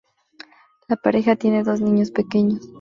La pareja tiene dos niños pequeños.